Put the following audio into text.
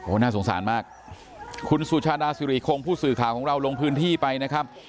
น่าสงสารมากคุณสุชาดาสิริคงผู้สื่อข่าวของเราลงพื้นที่ไปนะครับ